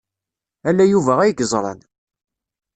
Ala Yuba ay yeẓran.